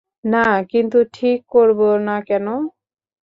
না, কিন্তু ঠিক করবো না কেন?